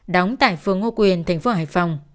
đóng tại phường hòa quyền thành phố hải phòng